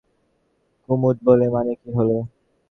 কুমুদ বলে, মানে কী হল?